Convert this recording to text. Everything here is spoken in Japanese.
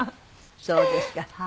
そうですか。